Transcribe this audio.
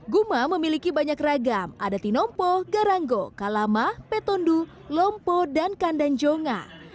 guma memiliki banyak ragam ada tinompo garanggo kalama petondu lompo dan kandan jonga